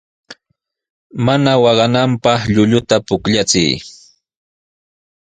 Mana waqananpaq llulluta pukllachiy.